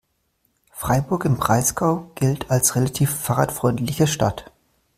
Freiburg im Breisgau gilt als relativ fahrradfreundliche Stadt.